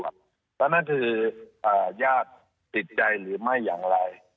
และนั่นคือยากติดใจหรือไม่อย่างไร